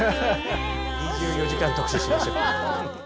２４時間特集しましょう。